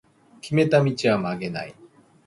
決めた道は曲げない